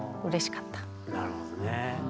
なるほどねえ。